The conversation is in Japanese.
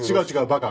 バカ。